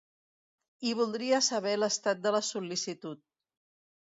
I voldria saber l'estat de la sol·licitud.